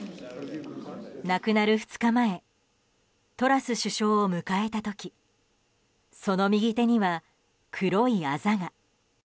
亡くなる２日前トラス首相を迎えた時その右手には黒いあざが。